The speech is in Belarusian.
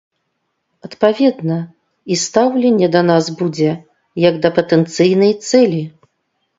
Адпаведна, і стаўленне да нас будзе як да патэнцыйнай цэлі.